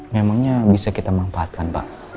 memangnya bisa kita manfaatkan pak